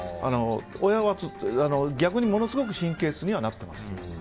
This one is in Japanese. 親は逆にものすごく神経質にはなってます。